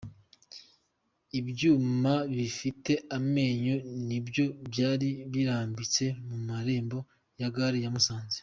Ibyuma bifite amenyo nibyo byari birambitse mu marembo ya gare ya Musanze.